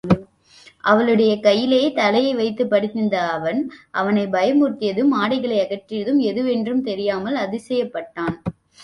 அவளுடைய கையிலே தலையை வைத்துப் படுத்திருந்த அவன், அவனைப் பயமுறுத்தியதும் ஆடைகளை அகற்றியதும் எதுவென்று தெரியாமல் அதிசயப்பட்டான்.